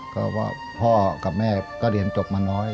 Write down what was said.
ก็ว่าพ่อกับแม่ก็เรียนจบมาน้อย